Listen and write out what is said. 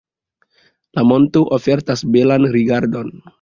La monto ofertas belan rigardon.